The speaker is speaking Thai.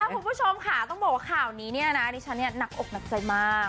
คุณผู้ชมค่ะต้องบอกว่าข่าวนี้เนี่ยนะดิฉันหนักอกหนักใจมาก